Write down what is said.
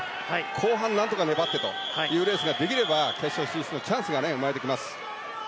後半なんとか粘ってというレースができれば決勝進出のチャンスが生まれてきます。